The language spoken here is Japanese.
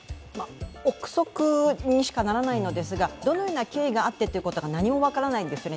憶測にしかならないのですがどのような経緯があってということが何も分からないんですよね。